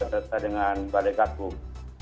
bersama dengan badegat bum